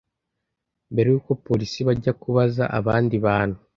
mbere y’uko polisi bajya kubaza abandi bantu